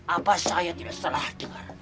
apa saya tidak salah dengar